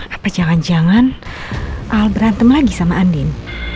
apa jangan jangan al berantem lagi sama andin